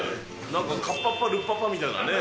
なんかかっぱっぱルンパッパみたいなね。